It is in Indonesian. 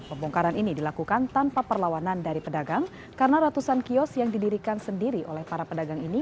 pembongkaran ini dilakukan tanpa perlawanan dari pedagang karena ratusan kios yang didirikan sendiri oleh para pedagang ini